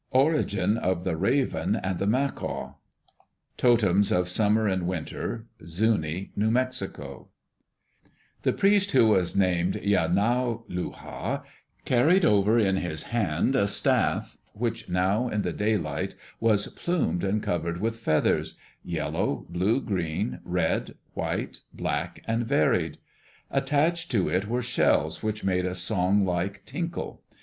Origin of the Raven and the Macaw (Totems of summer and winter) Zuni (New Mexico) The priest who was named Yanauluha carried ever in his hand a staff which now in the daylight was plumed and covered with feathers yellow, blue green, red, white, black, and varied. Attached to it were shells, which made a song like tinkle.